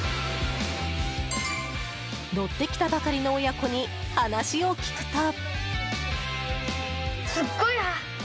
乗ってきたばかりの親子に話を聞くと。